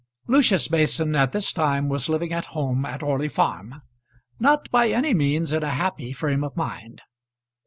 Lucius Mason at this time was living at home at Orley Farm, not by any means in a happy frame of mind.